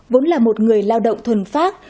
vốn là một người lao động thuần phát